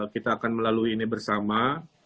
kita akan melalui ini bersama